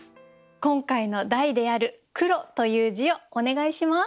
今回の題である「黒」という字をお願いします。